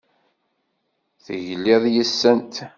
Tegliḍ yes-sent.